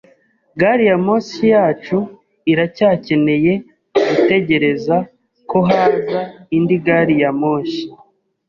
Gari ya moshi yacu iracyakeneye gutegereza ko haza indi gari ya moshi.